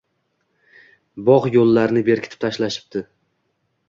Bog‘ yo‘llarini berkitib tashlashibdi.